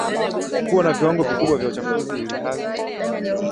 kuwa na viwango vikubwa vya uchafuzi ilhali